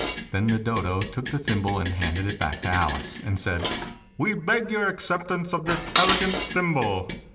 Then the Dodo took the thimble and handed it back to Alice, and said "We beg your accept ance of this elegant thimble